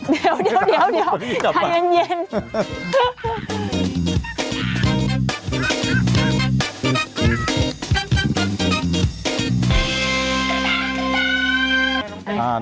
เดี๋ยวถ่ายเย็น